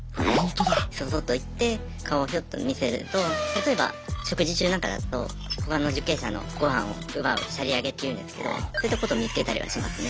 そそっと行って顔ひょっと見せると例えば食事中なんかだと他の受刑者のごはんを奪うシャリあげっていうんですけどそういったことを見つけたりはしますね。